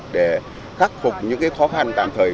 để khắc phục những khó khăn tạm thời